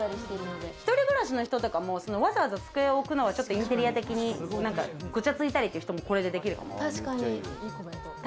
一人暮らしの人とかも、わざわざ机を置くのとかは、インテリア的にごちゃついたりっていう人も、これでできるかも。